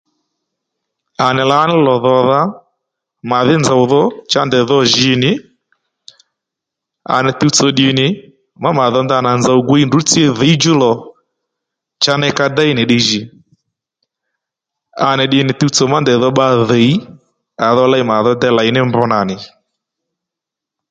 À nì lǎní lò dhòdha màdhí nzòw dho cha ndèy dho jì nì à nì tuwtsò ddì nì má mà dho ndanà nzòw gwiy ndrǔ tsǐ dhǐy djú lò cha ney ka déy nì ddiy jì à nì ddì nì tuwtsò má ndèy dho bba dhìy à dho ley màdho dey lèy ní mb nà nì